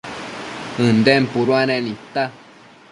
ënden puduanec nidta